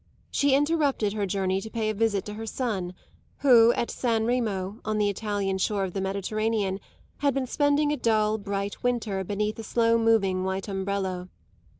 She interrupted her journey to pay a visit to her son, who at San Remo, on the Italian shore of the Mediterranean, had been spending a dull, bright winter beneath a slow moving white umbrella.